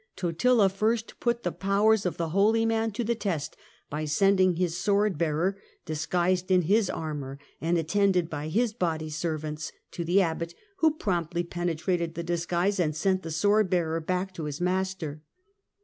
Totila first andTotL put the powers of the holy man to the test by sending his sword bearer, disguised in his armour, and attended by his body servants, to the abbot, who promptly pene trated the disguise and sent the sword bearer back to his master.